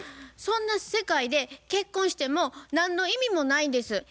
そんな世界で結婚しても何の意味もないです。